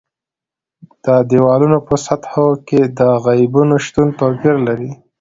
د دېوالونو په سطحو کې د عیبونو شتون توپیر لري.